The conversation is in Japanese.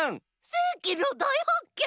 せいきのだいはっけん！